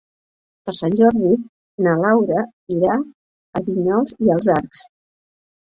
Per Sant Jordi na Laura irà a Vinyols i els Arcs.